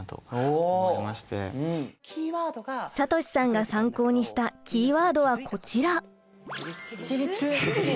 さとしさんが参考にしたキーワードはこちら。